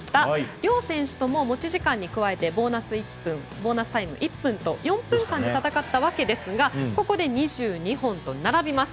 両選手とも持ち時間に加えてボーナスタイム１分と４分間で戦ったわけですがここで２２本と並びます。